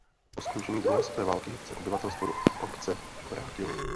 Po skončení druhé světové války se obyvatelstvo do obce vrátilo.